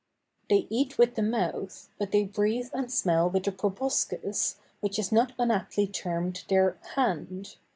They eat with the mouth, but they breathe and smell with the proboscis which is not unaptly termed their "hand."